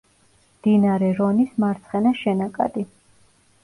მდინარე რონის მარცხენა შენაკადი.